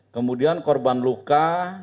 kemudian korban luka